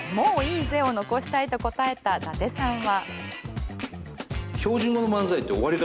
もういいぜを残したいと答えた伊達さんは。